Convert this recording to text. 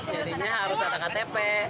jadinya harus ada ktp